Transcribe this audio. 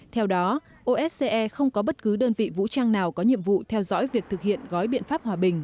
theo đó osce không có bất cứ đơn vị vũ trang nào có nhiệm vụ theo dõi việc thực hiện gói biện pháp hòa bình